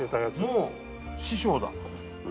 わっもう師匠だ。